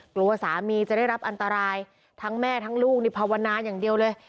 กลัวสามีจะได้รับอันตรายทั้งแม่ทั้งลูกนี่ภาวนาอย่างเดียวเลย